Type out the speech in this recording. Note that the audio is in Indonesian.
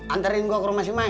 anterin gue ke rumah si mai